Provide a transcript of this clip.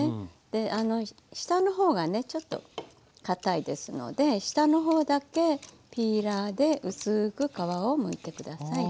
で下の方がねちょっとかたいですので下の方だけピーラーで薄く皮をむいてください。